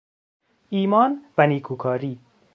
ایمان و نیکوکاری